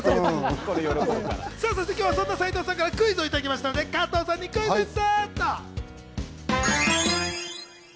そんな斉藤さんからクイズをいただきましたので、加藤さんにクイズッス！